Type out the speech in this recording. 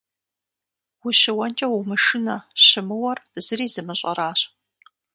Ущыуэнкӏэ умышынэ, щымыуэр зыри зымыщӏэращ.